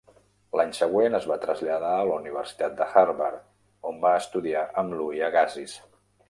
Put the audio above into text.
L'any següent, es va traslladar a la Universitat de Harvard, on va estudiar amb Louis Agassiz.